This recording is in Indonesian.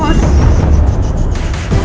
masih masih keluar